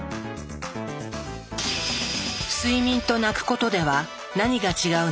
睡眠と泣くことでは何が違うのか？